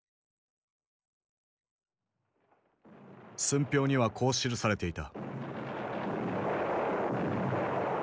寸評にはこう記されていた。